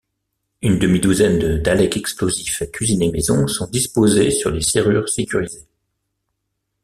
Une demi-douzaine de Daleks explosifs cuisinés maison sont disposés sur les serrures sécurisées.